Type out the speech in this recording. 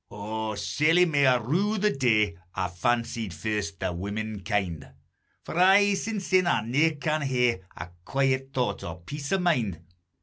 O, sairly may I rue the day I fancied first the womenkind; For aye sinsyne I ne'er can hae Ae quiet thought or peace o' mind!